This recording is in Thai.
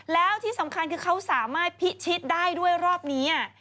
แล้วที่สำคัญคือเขาสามารถพิชิตได้ด้วยรอบนี้